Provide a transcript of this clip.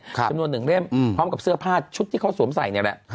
จำนวนหนึ่งเล่มพร้อมกับเสื้อผ้าชุดที่เขาสวมใส่นี่แหละ